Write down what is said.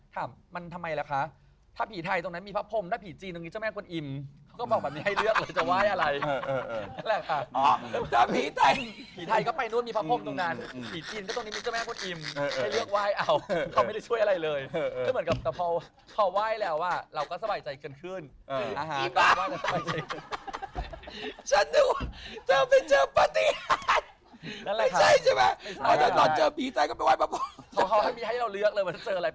ถามมันทำไมล่ะคะถ้าผีไทยตรงนั้นมีพระพรมถ้าผีจีนตรงนั้นมีเจ้าแม่คนอิ่ม